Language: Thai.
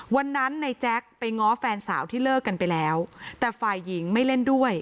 วันนั้นในแจ๊คไปง้อแฟนสาวที่เลิกกันไปแล้วแต่ฝ่ายหญิงไม่เล่นด้วย